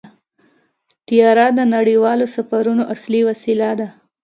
طیاره د نړیوالو سفرونو اصلي وسیله ده.